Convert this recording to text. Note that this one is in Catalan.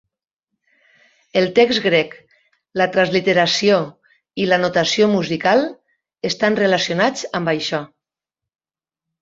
El text grec, la transliteració i la notació musical estan relacionats amb això.